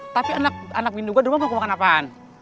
tapi anak anak bintu gue di rumah mau aku makan apaan